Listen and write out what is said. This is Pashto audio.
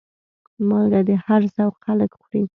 مالګه د هر ذوق خلک خوري.